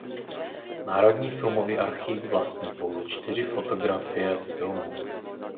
Národní filmový archiv vlastní pouze čtyři fotografie z filmu.